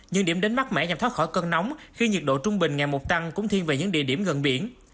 những điểm đến mát mẻ nhằm thoát khỏi cơn nóng khi nhiệt độ trung bình ngày một tăng cũng thiên về những địa điểm gần biển